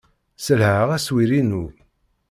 Sselhaɣ aswir-inu.